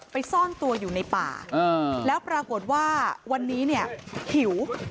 ซ่อนตัวอยู่ในป่าแล้วปรากฏว่าวันนี้เนี่ยหิว